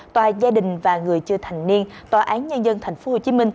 tòa gia đình và người chưa thành niên tòa án nhân dân tp hcm